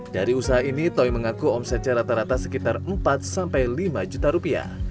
dari usaha ini toy mengaku omset secara terata sekitar empat sampai lima juta rupiah